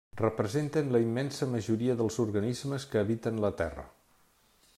Representen la immensa majoria dels organismes que habiten la Terra.